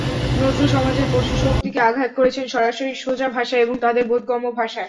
নজরুল সমাজের পশুশক্তিকে আঘাত করেছেন সরাসরি সোজা ভাষায় এবং তাদের বোধগম্য ভাষায়।